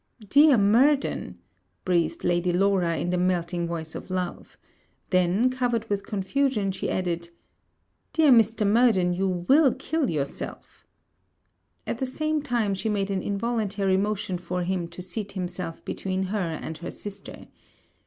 'Dear Murden!' breathed Lady Laura in the melting voice of love: then, covered with confusion, she added, 'Dear Mr. Murden, you will kill yourself!' At the same time, she made an involuntary motion for him to seat himself between her and her sister.